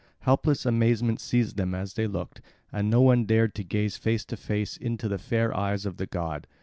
Helpless amazement seized them as they looked; and no one dared to gaze face to face into the fair eyes of the god.